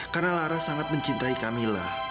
karena laras sangat mencintai camilla